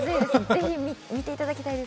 ぜひ、見ていただきたいです。